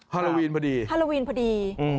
ฮาโลวีนพอดี